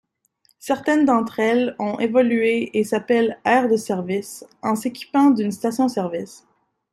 Certaines d'entre elles ont évolué et s'appellent aires de service, en s'équipant d'une station-service.